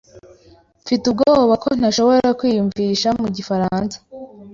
Mfite ubwoba ko ntashobora kwiyumvisha mu gifaransa.